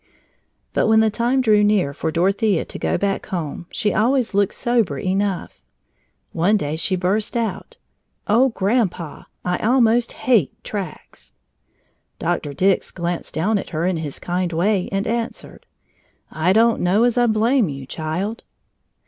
But when the time drew near for Dorothea to go back home, she always looked sober enough. One day she burst out: "Oh, Grandpa, I almost hate tracts!" Doctor Dix glanced down at her in his kind way and answered: "I don't know as I blame you, Child!"